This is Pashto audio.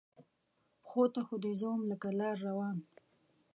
پښو ته خو دې زه وم لکه لار روان